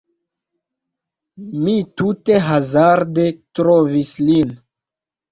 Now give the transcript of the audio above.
Mi tute hazarde trovis lin